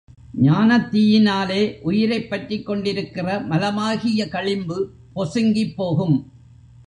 ஞானத்தீயினாலே உயிரைப் பற்றிக் கொண்டிருக்கிற மலமாகிய களிம்பு பொசுங்கிப் போகும்.